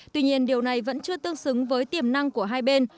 tuy nhiên điều này vẫn chưa tương xứng với tiềm năng của hai bên